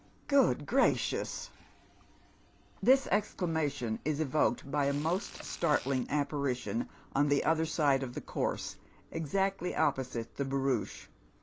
Good gracious !" This exclamation is evoked by a most startling apparition on the«»;Lher side of the course, exactly opposite the barouche.